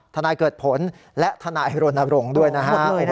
นายเกิดผลและทนายรณรงค์ด้วยนะฮะ